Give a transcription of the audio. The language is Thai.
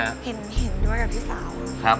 ก็เห็นด้วยกับพี่สาว